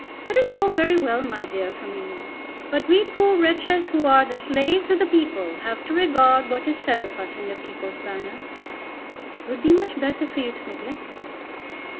"That is all very well, my dear, from you; but we poor wretches who are the slaves of the people have to regard what is said of us in the 'People's Banner.'" "It would be much better for you to neglect it."